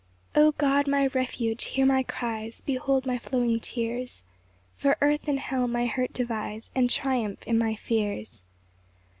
1 O God, my refuge, hear my cries, Behold my flowing tears, For earth and hell my hurt devise, And triumph in my fears.